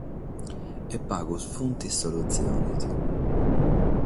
E pagas sunt sas solutziones.